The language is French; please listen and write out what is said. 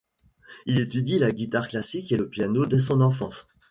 Il étudie la guitare classique et le piano dès son enfance.